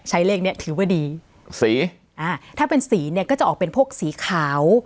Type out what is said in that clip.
เลขเนี้ยถือว่าดีสีอ่าถ้าเป็นสีเนี่ยก็จะออกเป็นพวกสีขาว